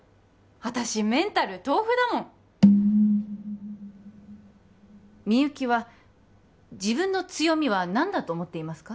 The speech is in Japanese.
私メンタル豆腐だもんみゆきは自分の強みは何だと思っていますか？